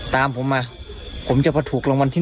ตามผมมาผมจะมาถูกรางวัลที่๑